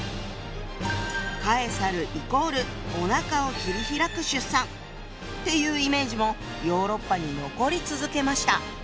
カエサルイコールおなかを切り開く出産っていうイメージもヨーロッパに残り続けました。